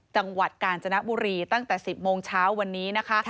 จังหวัดกาญจนบุรีตั้งแต่๑๐โมงเช้าวันนี้นะคะ